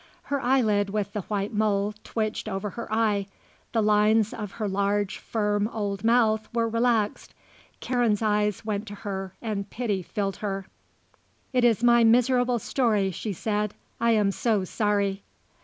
Her eyelid with the white mole twitched over her eye, the lines of her large, firm old mouth were relaxed. Karen's eyes went to her and pity filled her. "It is my miserable story," she said. "I am so sorry."